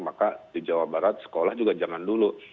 maka di jawa barat sekolah juga jangan dulu